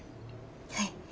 はい。